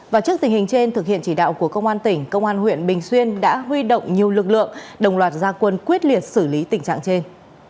và trước tình hình trên thực hiện chỉ đạo của công an tỉnh công an huyện bình xuyên đã huy động nhiều lực lượng đồng loạt gia quân quyết liệt xử lý tình trạng trên